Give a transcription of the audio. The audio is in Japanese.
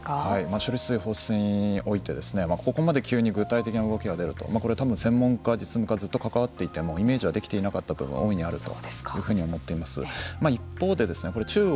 処理水放出においてここまで急に具体的な動きが出るとこれ多分、専門家実務家ずっと関わっていてもイメージできていないものはあると思います。